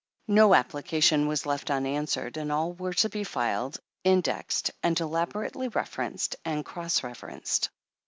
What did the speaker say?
No applica tion was to be left unanswered, and all were to be filed, indexed, and elaborately referenced and cross refer enced.